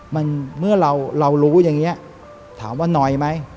มันเมื่อเรารู้อย่างนี้ถามว่าหน่อยไหม